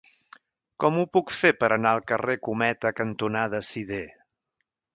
Com ho puc fer per anar al carrer Cometa cantonada Sidé?